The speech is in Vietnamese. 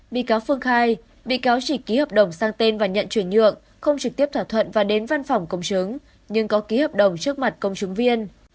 bị cáo phương khai bị cáo chỉ ký hợp đồng sang tên và nhận chuyển nhượng không trực tiếp thỏa thuận và đến văn phòng công chứng nhưng có ký hợp đồng trước mặt công chứng viên